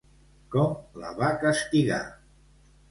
Com la va castigar?